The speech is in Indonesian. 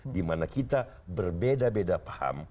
dimana kita berbeda beda paham